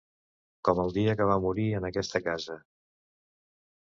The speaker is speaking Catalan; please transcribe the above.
Com el dia que va morir en aquesta casa...